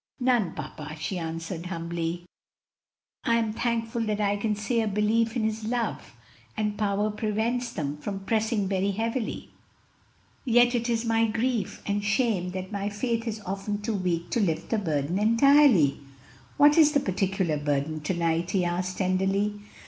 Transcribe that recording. "None, papa," she answered humbly; "I am thankful that I can say a belief in His love and power prevents them from pressing very heavily, yet it is my grief and shame that my faith is often too weak to lift the burden entirely." "What is the particular burden to night?" he asked tenderly.